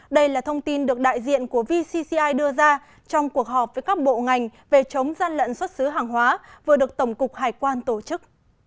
đây là thông tin được đại diện của vcci đưa ra trong cuộc họp với các bộ ngành về chống gian lận xuất xứ hàng hóa vừa được tổng cục hải quan tổ chức